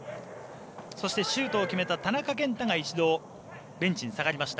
シュートを決めた田中健太が一度、ベンチに下がりました。